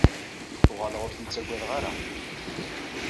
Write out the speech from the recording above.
Uɣaleɣ ur ten-ttaggadeɣ ara.